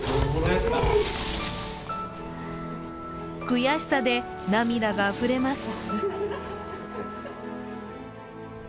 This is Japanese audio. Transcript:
悔しさで涙があふれます。